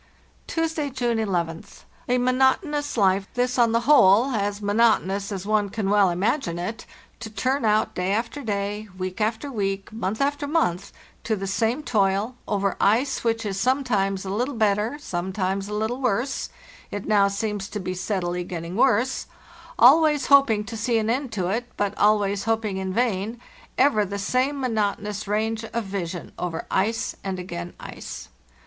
"Tuesday, July 11th. A monotonous life this on the whole, as monotonous as one can well imagine it— to turn out day after day, week after week, month after month, to the same toil, over ice which is some times a little better, sometimes a little worse (it now seems to be steadily getting worse), always hoping to see an end to it, but always hoping in vain— ever the same monotonous range of vision over ice, and again ice.